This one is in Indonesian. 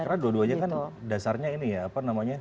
karena dua duanya kan dasarnya ini ya apa namanya